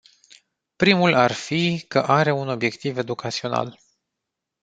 Primul ar fi că are un obiectiv educațional.